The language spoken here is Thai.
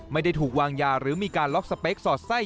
ไม่ได้ถูกวางยาหรือมีการล็อกสเปคสอดไส้